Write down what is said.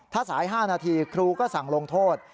ถ้าสาย๕นาทีครูก็สั่งลงโทษ